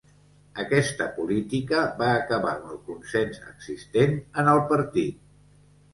Aquesta política va acabar amb el consens existent en el partit.